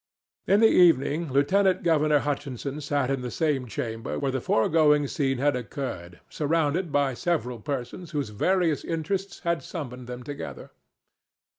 In the evening Lieutenant governor Hutchinson sat in the same chamber where the foregoing scene had occurred, surrounded by several persons whose various interests had summoned them together.